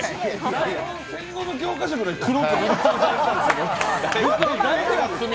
台本、戦後の教科書ぐらい黒く塗りつぶされてたんですよ。